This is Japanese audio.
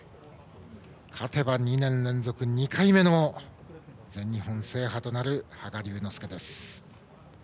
勝てば２年連続２回目の全日本制覇となる羽賀龍之介です。